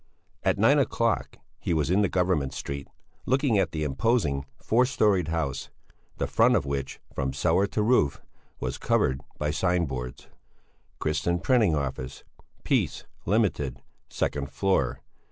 At nine o'clock he was in Government Street, looking at the imposing four storied house, the front of which, from cellar to roof, was covered by sign boards: "Christian Printing office, Peace, Ltd., second floor.